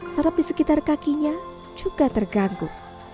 sarap di sekitar kakinya juga terganggu